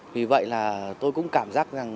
vì vậy là tôi cũng cảm giác rằng